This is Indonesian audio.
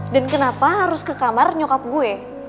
dan kenapa harus ke kamar nyokap gue